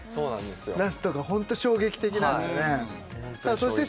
ラストがホント衝撃的なんだよね